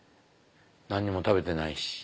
何にも食べてないし。